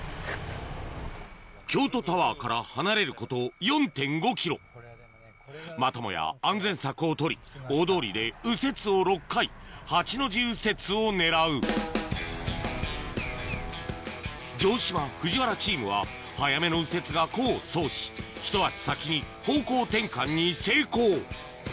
京都タワーから離れること４．５ｋｍまたもや安全策をとり大通りで右折を６回８の字右折を狙う城島・藤原チームは早めの右折が功を奏しひと足先に方向転換に成功